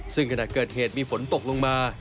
ซึ่งขณะเกิดเหตุมีฝนตกลงมา